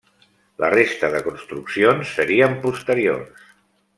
La resta de construccions serien posteriors.